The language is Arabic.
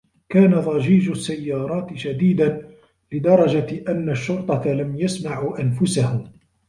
كان ضجيج السيارات شديدا لدرجة أن الشرطة لم يسمعوا أنفسهم.